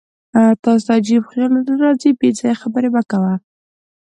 تاسې ته عجیب خیالونه نه راځي؟ بېځایه خبرې مه کوه.